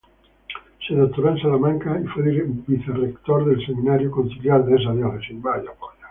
Se doctoró en Salamanca y fue vicerrector del Seminario Conciliar de esa diócesis.